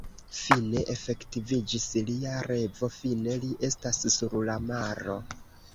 Fine efektiviĝis lia revo, fine li estas sur la maro!